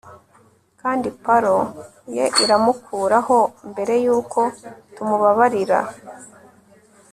Kandi pallor ye iramukuraho mbere yuko tumubabarira